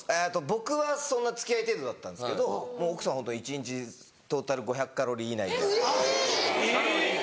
僕はそんな付き合い程度だったんですけど奥さんはホント一日トータル５００カロリー以内で。